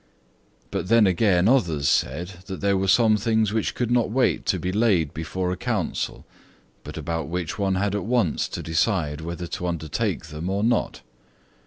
But then again others said there were some things which could not wait to be laid before a Council, but about which one had at once to decide whether to undertake them or not.